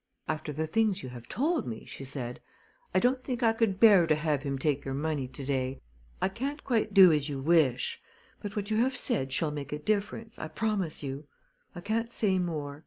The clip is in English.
"After the things you have told me," she said, "I don't think I could bear to have him take your money to day. I can't quite do as you wish; but what you have said shall make a difference, I promise you. I can't say more.